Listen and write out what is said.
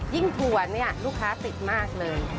ยิ่งถั่วนี่ลูกค้าติดมากเลย